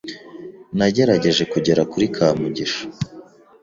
Nagerageje kugera kuri Kamugisha.